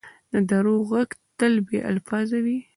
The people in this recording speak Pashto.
د درد ږغ تل بې الفاظه وي.